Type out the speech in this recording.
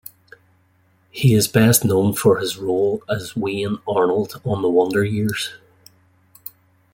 He is best known for his role as Wayne Arnold on "The Wonder Years".